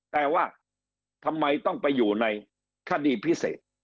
แต่ว่าทำไมต้องไปอยู่ในคดีพิเศษ